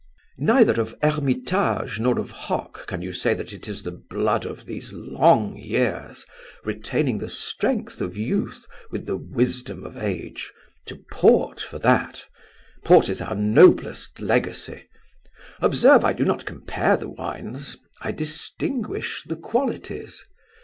Neither of Hermitage nor of Hock can you say that it is the blood of those long years, retaining the strength of youth with the wisdom of age. To Port for that! Port is our noblest legacy! Observe, I do not compare the wines; I distinguish the qualities.